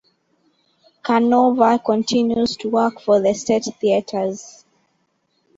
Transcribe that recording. Canova continues to work for the State Theatres.